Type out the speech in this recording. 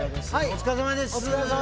お疲れさまです